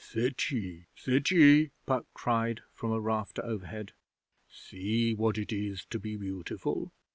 'Sit ye! Sit ye!' Puck cried from a rafter overhead. 'See what it is to be beautiful!